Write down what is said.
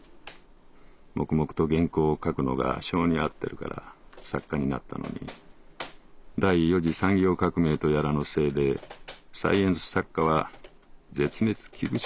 黙々と原稿を書くのが性に合ってるから作家になったのに第四次産業革命とやらのせいでサイエンス作家は絶滅危惧種なんだって。